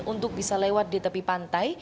untuk bisa lewat di tepi pantai